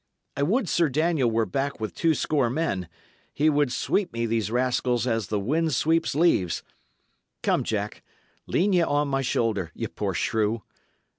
I would Sir Daniel were back with two score men; he would sweep me these rascals as the wind sweeps leaves. Come, Jack, lean ye on my shoulder, ye poor shrew.